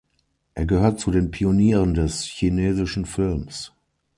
Er gehört zu den Pionieren des chinesischen Films.